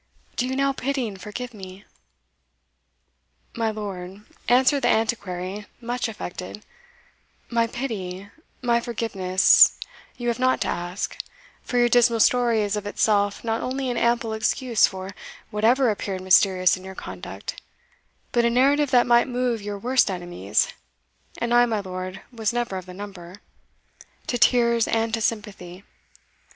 Do you now pity and forgive me?" "My lord," answered the Antiquary, much affected, "my pity my forgiveness, you have not to ask, for your dismal story is of itself not only an ample excuse for whatever appeared mysterious in your conduct, but a narrative that might move your worst enemies (and I, my lord, was never of the number) to tears and to sympathy.